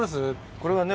これはね